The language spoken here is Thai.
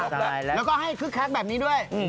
ก็ใช่แล้วก็ให้คลึกคลักแบบนี้ด้วย